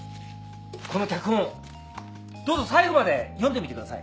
この脚本どうぞ最後まで読んでみてください。